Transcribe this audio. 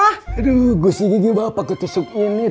aduh gusi gini bapak ketisuk ini